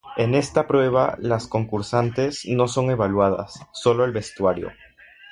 En esta prueba las concursantes no son evaluadas, solo el vestuario.